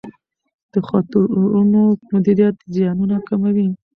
د خطرونو مدیریت زیانونه کموي.